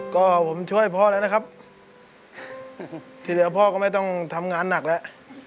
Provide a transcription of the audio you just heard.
ก็ผมช่วยพ่อแล้วนะครับที่เหลือพ่อก็ไม่ต้องทำงานหนักแล้ว